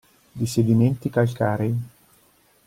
Di sedimenti calcarei.